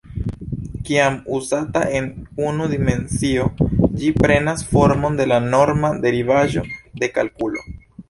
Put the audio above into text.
Kiam uzata en unu dimensio, ĝi prenas formon de la norma derivaĵo de kalkulo.